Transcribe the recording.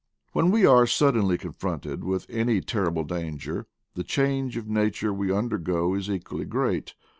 When we are suddenly confronted with any terrible danger, the change of nature we undergo is equally great.